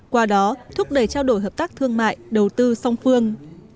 qua đó thúc đẩy trao đổi hợp tác thương mại đầu tư song phương